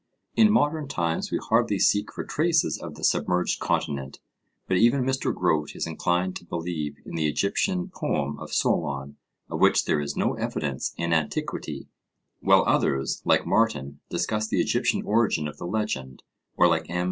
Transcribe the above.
In modern times we hardly seek for traces of the submerged continent; but even Mr. Grote is inclined to believe in the Egyptian poem of Solon of which there is no evidence in antiquity; while others, like Martin, discuss the Egyptian origin of the legend, or like M.